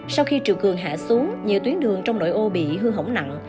sau khi triều cường hạ xuống nhiều tuyến đường trong nội ô bị hư hỏng nặng